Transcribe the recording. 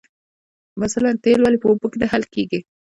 مثلاً تیل ولې په اوبو کې نه حل کیږي